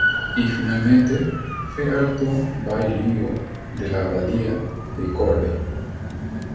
Y finalmente, fue alto bailío de la abadía de Corvey.